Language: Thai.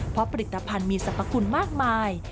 เพราะผลิตภัณฑ์มีสรรพคุณมากมาย